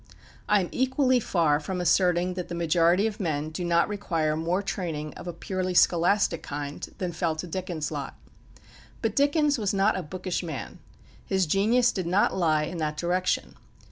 I am equally far from asserting that the majority of men do not require more training of a purely scholastic kind than fell to Dickens' lot. But Dickens was not a bookish man. His genius did not lie in that direction.